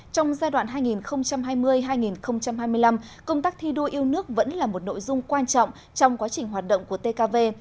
trong giai đoạn hai nghìn hai mươi hai nghìn hai mươi năm công tác thi đua yêu nước vẫn là một nội dung quan trọng trong quá trình hoạt động của tkv